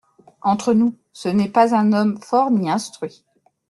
Entre nous, ce n’est pas un homme fort ni instruit…